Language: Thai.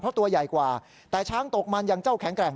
เพราะตัวใหญ่กว่าแต่ช้างตกมันอย่างเจ้าแข็งแกร่ง